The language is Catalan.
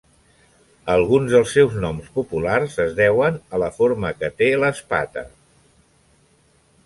Alguns dels seus noms populars es deuen a la forma que té l'espata.